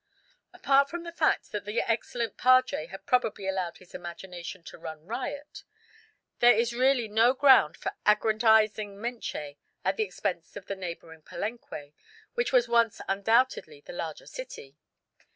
Apart from the fact that the excellent padre had probably allowed his imagination to run riot, there is really no ground for aggrandising Menché at the expense of the neighbouring Palenque, which was once undoubtedly the larger city.